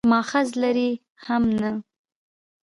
مأخذ لري هم نه.